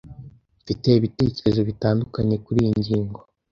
Mfite ibitekerezo bitandukanye kuriyi ngingo.